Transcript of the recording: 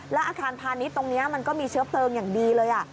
แล้วอาคารพาณิชย์ตรงนี้มันก็มีเชื้อเพลิงอย่างดีเลย